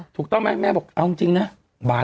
ถูกต้องไหมแม่บอกเอาจริงนะ